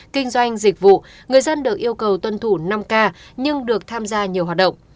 kinh doanh dịch vụ người dân được yêu cầu tuân thủ năm k nhưng được tham gia nhiều hoạt động